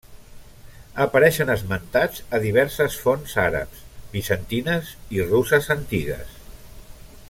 Apareixen esmentats a diverses fonts àrabs, bizantines i russes antigues.